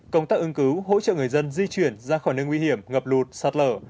công tác ứng cứu hỗ trợ người dân di chuyển ra khỏi nơi nguy hiểm ngập lụt sạt lở